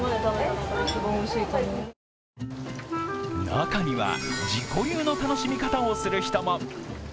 中には自己流の楽しみ方をする人も。